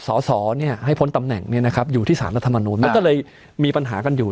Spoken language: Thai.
สอเนี่ยให้พ้นตำแหน่งเนี่ยนะครับอยู่ที่สารรัฐมนูลมันก็เลยมีปัญหากันอยู่